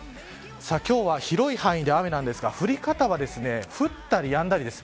今日は、広い範囲で雨なんですが降り方は降ったりやんだりです。